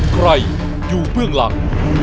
ใครอยู่เบื้องหลัง